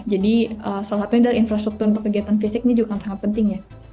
jadi salah satunya dari infrastruktur untuk kegiatan fisik ini juga sangat penting ya